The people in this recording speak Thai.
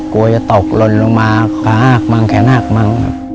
กลัวจะตกลนลงมาขาอ้ากมังแขนอ้ากมัง